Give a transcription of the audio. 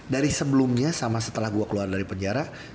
dari sebelumnya sama setelah gue keluar dari penjara